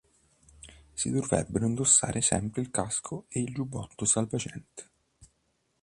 Si dovrebbero indossare sempre il casco e il giubbotto salvagente.